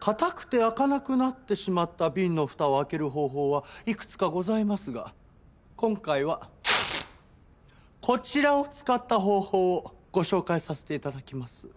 固くて開かなくなってしまった瓶のふたを開ける方法はいくつかございますが今回はこちらを使った方法をご紹介させて頂きます。